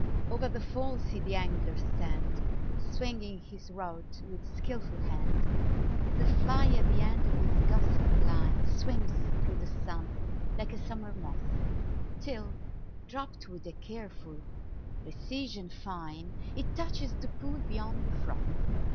o'er the fall see the angler stand, Swinging his rod with skilful hand; The fly at the end of his gossamer line Swims through the sun like a summer moth, Till, dropt with a careful precision fine, It touches the pool beyond the froth.